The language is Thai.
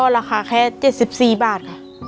ราคาแค่๗๔บาท